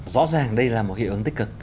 rõ ràng đây là một hiệu ứng tích cực